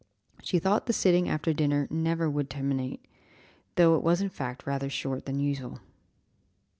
She thought the sitting after dinner never would terminate, though it was in fact rather shorter than usual.